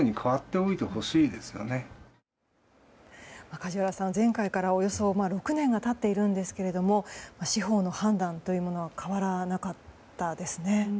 梶原さん、前回からおよそ６年が経っているんですが司法の判断というものは変わらなかったですね。